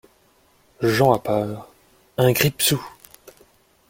Jean, à part. — Un grippe-sous !